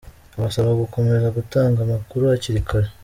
Abasaba gukomeza gutanga amakuru hakiri kare.